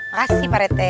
makasih pak rete